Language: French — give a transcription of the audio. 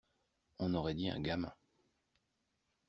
On aurait dit un gamin.